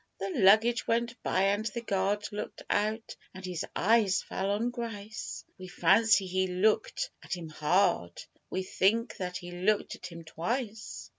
The 'luggage' went by and the guard Looked out and his eyes fell on Grice We fancy he looked at him hard, We think that he looked at him twice.